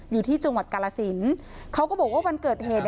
อยู่ที่จังหวัดกาลสินเขาก็บอกว่าวันเกิดเหตุ